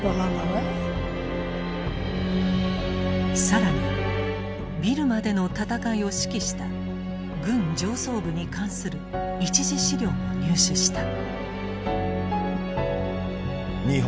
更にビルマでの戦いを指揮した軍上層部に関する一次資料も入手した。